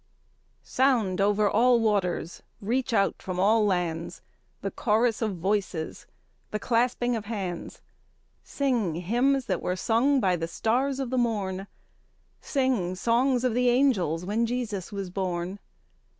I. Sound over all waters, reach out from all lands, The chorus of voices, the clasping of hands; Sing hymns that were sung by the stars of the morn, Sing songs of the angels when Jesus was born!